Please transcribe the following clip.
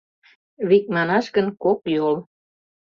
Вик манаш гын, кок йол.